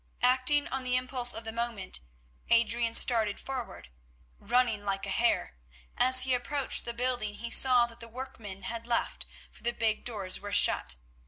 Acting on the impulse of the moment, Adrian started forward, running like a hare. As he approached the building he saw that the workmen had left, for the big doors were shut.